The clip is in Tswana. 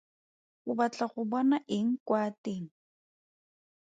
O batla go bona eng kwa teng.